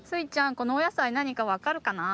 このおやさいなにかわかるかな？